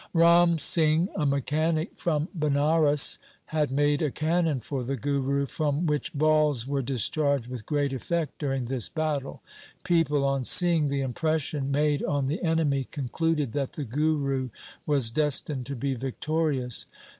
Ram Singh, a mechanic from Banaras, had made a cannon for the Guru from which balls were dis charged with great effect during this battle. People on seeing the impression made on the enemy con cluded that the Guru was destined to be victorious.